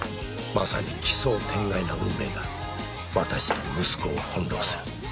まさに奇想天外な運命が私と息子を翻弄する